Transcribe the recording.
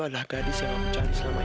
ada gadis yang aku cari selama ini